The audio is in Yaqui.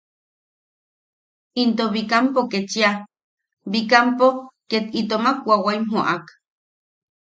Into Bikampo, kechia Bikampo ket itom wawaim jo’ak.